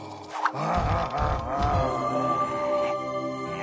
あ！